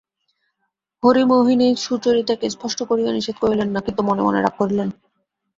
হরিমোহিনী সুচরিতাকে স্পষ্ট করিয়া নিষেধ করিলেন না কিন্তু মনে মনে রাগ করিলেন।